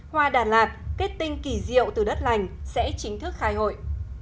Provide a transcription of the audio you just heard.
hoa đà lạt kết tinh kỳ diệu từ đất lành sẽ chính thức khai hội